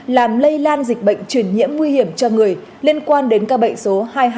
làm lây lan dịch bệnh truyền nhiễm nguy hiểm cho người liên quan đến ca bệnh số hai nghìn hai trăm bảy mươi tám